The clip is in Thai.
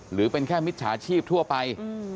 หรือเป็นแค่มิจฉาชีพทั่วไป